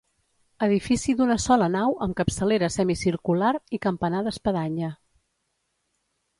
Edifici d'una sola nau amb capçalera semicircular i campanar d'espadanya.